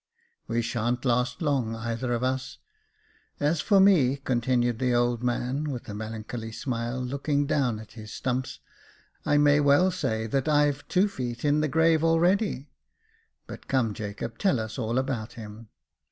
We sha'n't last long, either of us. As for me," continued the old man with a melancholy smile, looking down at 424 Jacob Faithful his stumps, "I may well say that Fve two feet in the grave already. But come, Jacob, tell us all about him."